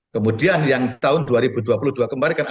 kemudian yang tahun dua ribu dua puluh dua kemarin kan